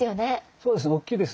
そうですねおっきいですね。